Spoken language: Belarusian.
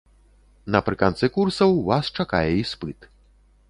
Напрыканцы курсаў вас чакае іспыт.